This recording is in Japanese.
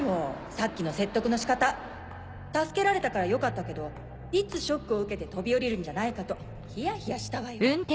さっきの説得の仕方助けられたからよかったけどいつショックを受けて飛び降りるんじゃないかとヒヤヒヤしたわよ。